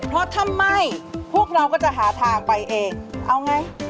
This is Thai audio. เพราะถ้าไม่พวกเราก็จะหาทางไปเองเอาไง